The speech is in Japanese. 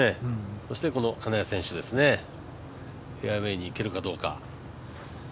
そして金谷選手、フェアウェーにいけるかどうか。